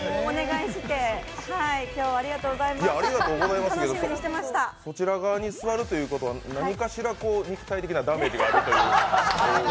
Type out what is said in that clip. いや、ありがとうございますやけど、こちら側に座るということは何かしら肉体的なダメージがあるという。